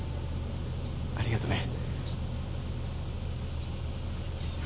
ありがとね。